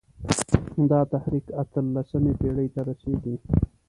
دا تحریک اته لسمې پېړۍ ته رسېږي.